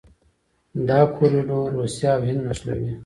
دا کوریډور روسیه او هند نښلوي.